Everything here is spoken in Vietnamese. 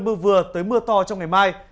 mưa vừa tới mưa to trong ngày mai